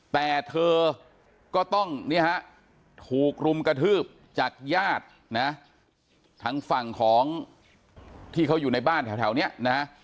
แต่เธอก็ต้องถูกรุมกระทืบจากญาติทั้งฝั่งของที่เขาอยู่ในบ้านแถวเนี่ยนะฮะ